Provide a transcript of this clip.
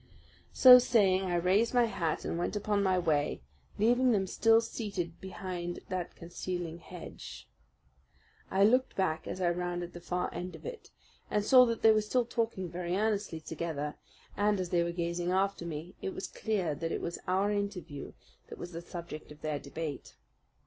So saying I raised my hat and went upon my way, leaving them still seated behind that concealing hedge. I looked back as I rounded the far end of it, and saw that they were still talking very earnestly together, and, as they were gazing after me, it was clear that it was our interview that was the subject of their debate.